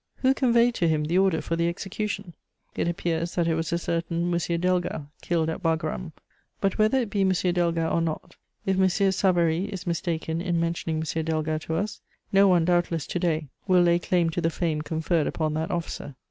Who conveyed to him the order for the execution? It appears that it was a certain M. Delga, killed at Wagram. But whether it be M. Delga or not, if M. Savary is mistaken in mentioning M. Delga to us, no one, doubtless, to day, will lay claim to the fame conferred upon that officer.